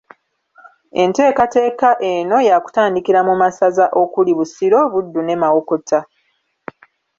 Enteekateeka eno ya kutandikira mu masaza okuli Busiro, Buddu ne Mawokota